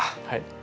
はい。